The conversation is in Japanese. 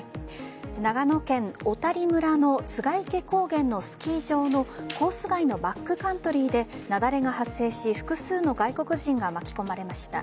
長野県小谷村の栂池高原のスキー場のコース外のバックカントリーで雪崩が発生し複数の外国人が巻き込まれました。